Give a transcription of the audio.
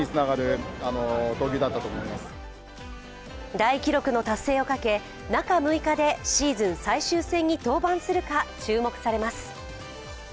大記録の達成をかけ中６日でシーズン最終戦に登板するか注目されます。